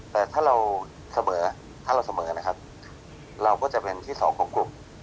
แต่ถ้าเราเสมอถ้าเราเสมอนะครับเราก็จะเป็นที่สองของกลุ่ม